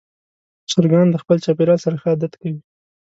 چرګان د خپل چاپېریال سره ښه عادت کوي.